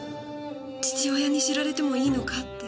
父親に知られてもいいのかって。